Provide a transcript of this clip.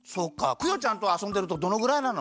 クヨちゃんとあそんでるとどのぐらいなの？